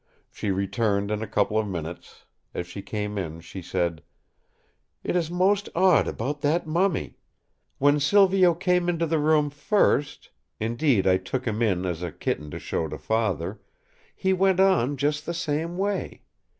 She returned in a couple of minutes; as she came in she said: "It is most odd about that mummy! When Silvio came into the room first—indeed I took him in as a kitten to show to Father—he went on just the same way.